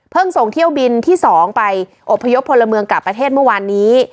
ส่งเที่ยวบินที่๒ไปอบพยพพลเมืองกลับประเทศเมื่อวานนี้